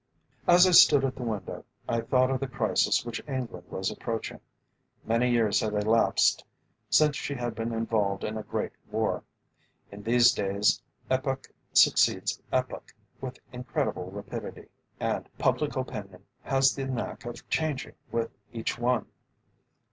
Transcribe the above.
As I stood at the window, I thought of the crisis which England was approaching. Many years had elapsed since she had been involved in a great war. In these days epoch succeeds epoch with incredible rapidity, and public opinion has the knack of changing with each one.